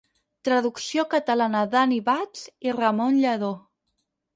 Traducció catalana d'Annie Bats i Ramon Lladó.